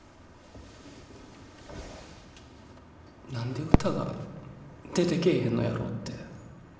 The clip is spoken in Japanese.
何で歌が出てけえへんのやろって。